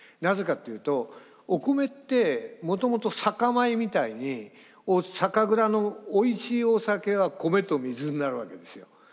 なぜかっていうとお米ってもともと酒米みたいに酒蔵のおいしいお酒は米と水になるわけですよ。